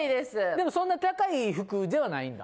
でもそんなに高い服ではないんだ？